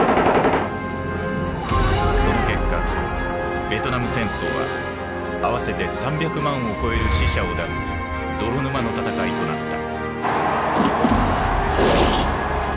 その結果ベトナム戦争は合わせて３００万を超える死者を出す泥沼の戦いとなった。